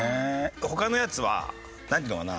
他のやつはなんていうのかな？